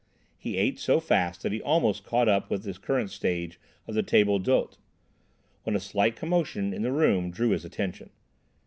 He ate so fast that he had almost caught up with the current stage of the table d'hôte, when a slight commotion in the room drew his attention.